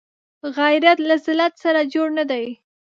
غیرت له ذلت سره جوړ نه دی